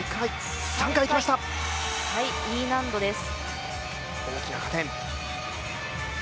Ｅ難度です。